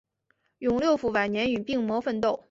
永六辅晚年与病魔奋斗。